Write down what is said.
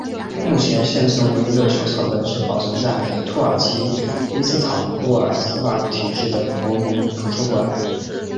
目前现存唯一的手抄本保存在土耳其伊斯坦布尔市法提赫区的国民图书馆。